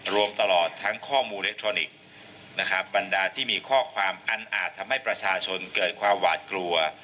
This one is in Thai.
รวมตลอดทั้งข้อมูลอิเล็กทรอนิกส์นะครับบรรดาที่มีข้อความอันอาจทำให้ประชาชนเกิดความหวาดกลัว